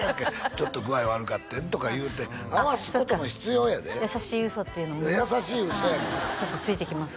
「ちょっと具合悪かってん」とか言うて合わすことも必要やで優しい嘘っていうのもね優しい嘘やんかちょっとついていきます